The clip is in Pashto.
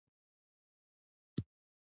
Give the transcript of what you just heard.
د ځمکې قشر نری دی.